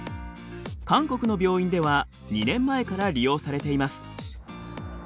韓国の病院では２年前から利用されています。